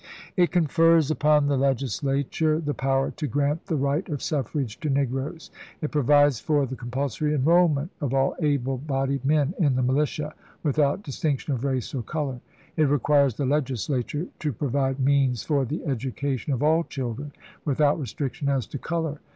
"It confers upon the Legislature the power to grant the right of suffrage to negroes. It provides for the compulsory enrollment of all able bodied men in the militia, without distinction of race or color. It requires the Legislature to provide means for the education of all children without restriction as to color.